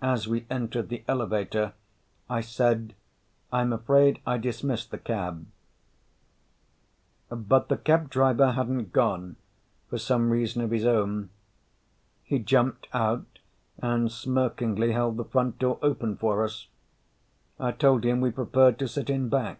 As we entered the elevator I said, "I'm afraid I dismissed the cab." But the cab driver hadn't gone for some reason of his own. He jumped out and smirkingly held the front door open for us. I told him we preferred to sit in back.